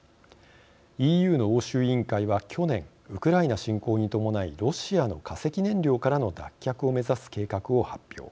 ＥＵの欧州委員会は去年ウクライナ侵攻に伴いロシアの化石燃料からの脱却を目指す計画を発表。